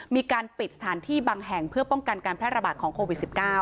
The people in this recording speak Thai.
มีการปิดสถานที่บางแห่งเพื่อป้องกันการแพร่ระบาดของโควิด๑๙